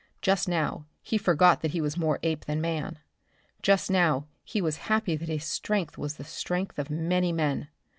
Just now he forgot that he was more ape than man. Just now he was happy that his strength was the strength of many men.